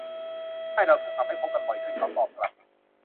ใช่ เราถูกทำให้พบกันบ่อยขึ้น เขาตอบกลับ